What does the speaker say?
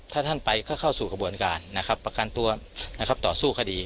ถ้าท่านไปก็เข้าสู่กระบวนการประกันตัวต่อสู้คดี